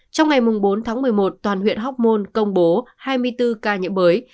trong ngày bốn một mươi một toàn huyện hóc môn công bố hai mươi bốn ca nhiễm bới